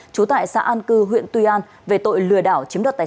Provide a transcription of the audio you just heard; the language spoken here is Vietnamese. trú tại xã an cư huyện tuy an về tội lừa đảo